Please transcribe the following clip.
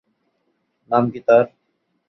নাম কী তার?